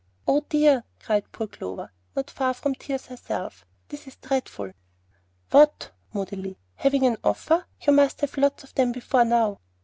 "Oh, dear," cried poor Clover, not far from tears herself; "this is dreadful!" "What?" moodily. "Having an offer? You must have had lots of them before now."